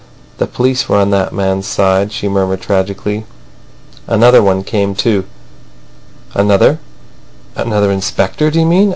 The police were on that man's side," she murmured tragically. "Another one came too." "Another—another inspector, do you mean?"